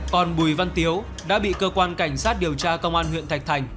còn bùi văn tiếu đã bị cơ quan cảnh sát điều tra công an huyện thạch thành